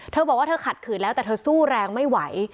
เธอบอกว่าเธอขัดขืนแล้วแต่เธอสู้แรงไม่ไหว